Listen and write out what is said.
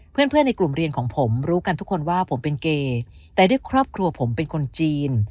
เพื่อนในกลุ่มเรียนของผมรู้กันทุกคนว่าผมเป็นเกย์แต่ด้วยครอบครัวผมเป็นคนจีน